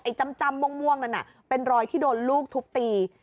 จ้ำม่วงนั้นเป็นรอยที่โดนลูกทุบตี